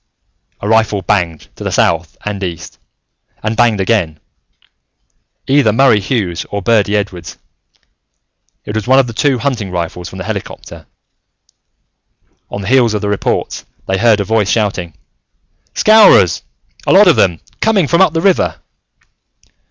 A rifle banged to the south and east, and banged again. Either Murray Hughes or Birdy Edwards: it was one of the two hunting rifles from the helicopter. On the heels of the reports, they heard a voice shouting, "Scowrers! A lot of them, coming from up the river!"